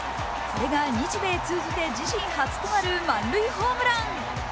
これが日米通じて自身初となる満塁ホームラン。